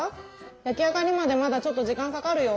焼き上がりまでまだちょっと時間かかるよ。